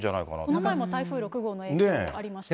この前も台風６号の影響がありましたから。